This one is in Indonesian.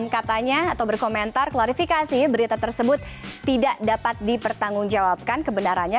katanya atau berkomentar klarifikasi berita tersebut tidak dapat dipertanggungjawabkan kebenarannya